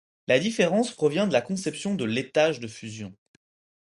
La différence provient de la conception de l'étage de fusion.